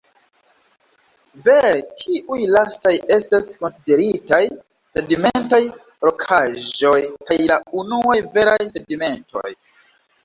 Vere tiuj lastaj estas konsideritaj sedimentaj rokaĵoj kaj la unuaj veraj sedimentoj.